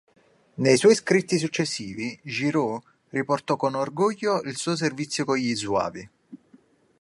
Nei suoi scritti successivi, Giraud riportò con orgoglio il suo servizio con gli zuavi.